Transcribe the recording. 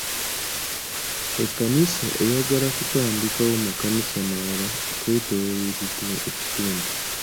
Ekkanisa eyagala kutandikawo makanisa malala okwetooloola ekitundu..